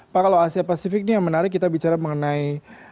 pak kalau asia pasifik ini yang menarik kita bicara mengenai